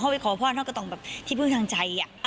ห้อไปขอพร้อมห้อไปต้องแบบที่พึ่งทางใจอะ